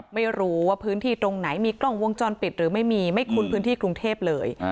ไม่รู้ว่าพื้นที่ตรงไหนมีกล้องวงจรปิดหรือไม่มีไม่คุ้นพื้นที่กรุงเทพเลย